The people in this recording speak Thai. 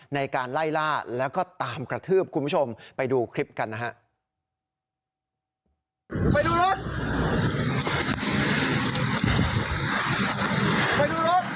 ในการไล่ล่าแล้วก็ตามกระทืบคุณผู้ชมไปดูคลิปกันนะฮะ